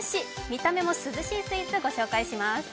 見た目も涼しいスイーツご紹介します。